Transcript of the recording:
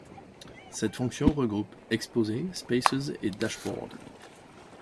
Cette fonction regroupe Exposé, Spaces, et Dashboard.